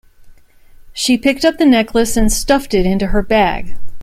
She picked up the necklace and stuffed it into her bag